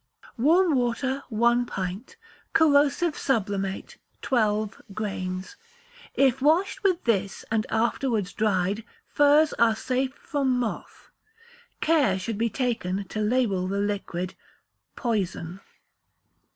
Warm water, one pint; corrosive sublimate, twelve grains. If washed with this, and afterwards dried, furs are safe from moth. Care should be taken to label the liquid _Poison.